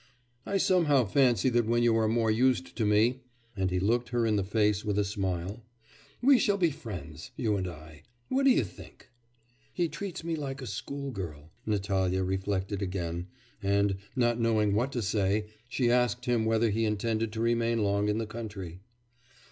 I somehow fancy that when you are more used to me (and he looked her in the face with a smile) 'we shall be friends, you and I. What do you think?' 'He treats me like a school girl,' Natalya reflected again, and, not knowing what to say, she asked him whether he intended to remain long in the country.